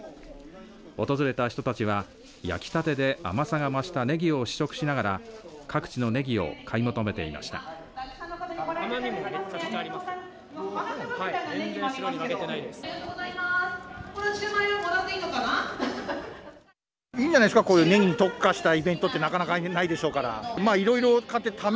訪れてた人たちは焼きたてで甘さが増したねぎを試食しながら各地のねぎを買い求めていました。